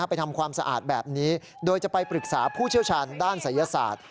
ทำความสะอาดแบบนี้โดยจะไปปรึกษาผู้เชี่ยวชาญด้านศัยศาสตร์